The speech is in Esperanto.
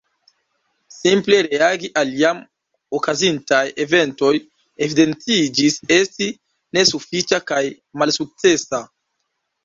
Simple reagi al jam okazintaj eventoj evidentiĝis esti nesufiĉa kaj malsukcesa.